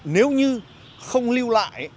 nếu như không lưu lại